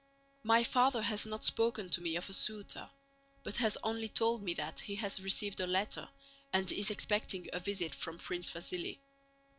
My father has not spoken to me of a suitor, but has only told me that he has received a letter and is expecting a visit from Prince Vasíli.